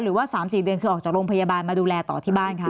หรือว่า๓๔เดือนคือออกจากโรงพยาบาลมาดูแลต่อที่บ้านคะ